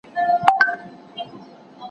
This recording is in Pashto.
کمپيوټر چينل جوړوي.